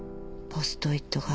ポスト・イットが。